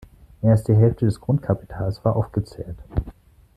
Mehr als die Hälfte des Grundkapitals war aufgezehrt.